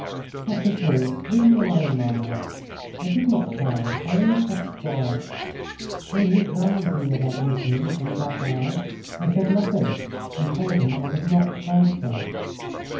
"Not at all Leave me alone, mamma. I did not tell, I only kept quiet. When he examined me about Mitin and about aunt, I said nothing, and told him I would not answer."